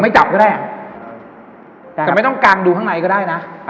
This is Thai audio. จับก็ได้แต่ไม่ต้องกางดูข้างในก็ได้นะ